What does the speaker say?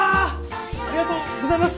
ありがとうございます！